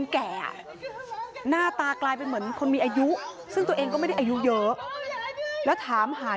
แก่หน้าตากลายเป็นเหมือนคนมีอายุซึ่งตัวเองก็ไม่ได้อายุเยอะแล้วถามหา